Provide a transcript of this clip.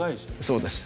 そうです。